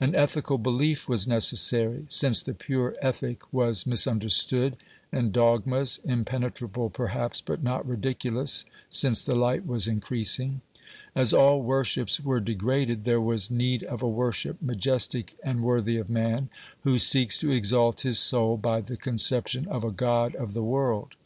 An ethical belief was necessary, since the pure ethic was misunderstood, and dogmas, impenetrable perhaps but not ridiculous, since the light was increasing. As all worships were degraded, there was need of a worship majestic and worthy of man, who seeks to exalt his soul by the conception of a God of the world.